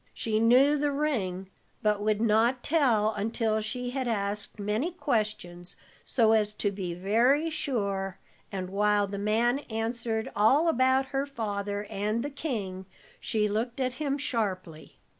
She knew the ring, but would not tell until she had asked many questions, so as to be very sure, and while the man answered all about her father and the king, she looked at him sharply.